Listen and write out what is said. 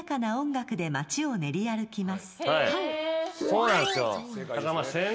そうなんですよ。